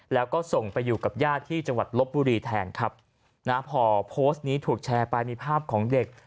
แล้วก็ส่งไปอยู่กับญาติที่จังหวัดลบบุรีแทนครับนะพอโพสต์นี้ถูกแชร์ไปมีภาพของเด็ก